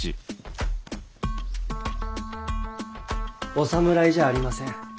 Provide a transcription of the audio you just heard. お侍じゃありません。